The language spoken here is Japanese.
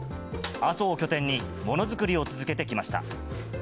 阿蘇を拠点に、ものづくりを続けてきました。